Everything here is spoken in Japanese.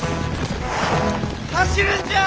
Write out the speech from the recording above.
走るんじゃあ！